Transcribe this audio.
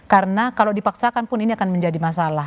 karena kalau dipaksakan pun ini akan menjadi masalah